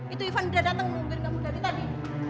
itu ivan udah datang mengumpir kamu dari tadi